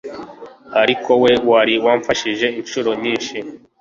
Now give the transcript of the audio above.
Ariko we wari wamfashije inshuro nyinshi